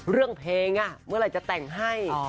เรื่องเพลงเมื่อไหร่จะแต่งให้